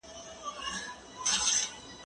که وخت وي، کتابونه وليکم!.!.